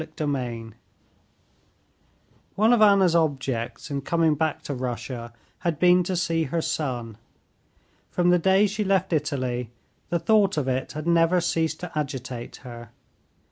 Chapter 29 One of Anna's objects in coming back to Russia had been to see her son. From the day she left Italy the thought of it had never ceased to agitate her.